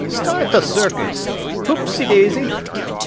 Start the circus! Hoopse daisy!"